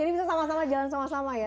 jadi bisa sama sama jalan sama sama ya